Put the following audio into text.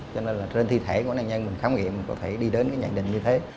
cho nên là trên thi thể của nạn nhân mình khám nghiệm có thể đi đến cái nhận định như thế